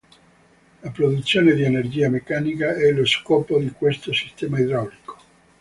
La produzione di energia meccanica è lo scopo di questo sistema idraulico.